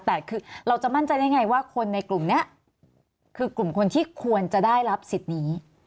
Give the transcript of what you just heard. แต่คือเราจะมั่นใจได้ไงว่าคนในกลุ่มนี้คือกลุ่มคนที่ควรจะได้รับสิทธิ์นี้